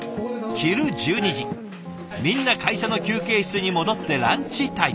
昼１２時みんな会社の休憩室に戻ってランチタイム。